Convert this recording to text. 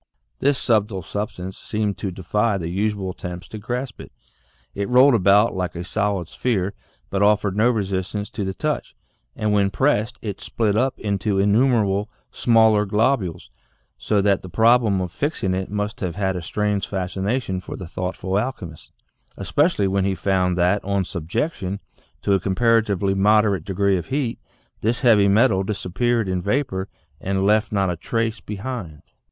This subtle substance seemed to defy the usual 92 THE FIXATION OF MERCURY 93 attempts to grasp it ; it rolled about like a solid sphere, but offered no resistance to the touch, and when pressed it split up into innumerable smaller globules so that the problem of " fixing " it must have had a strange fascination for the thoughtful alchemist, especially when he found that, on subjection to a comparatively moderate degree of heat, this heavy metal disappeared in vapor and left not a trace behind.